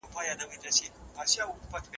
ولي مدام هڅاند د لوستي کس په پرتله بریا خپلوي؟